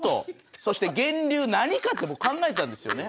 そして源流何かって僕考えたんですよね。